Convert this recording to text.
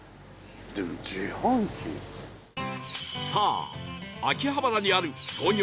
さあ秋葉原にある創業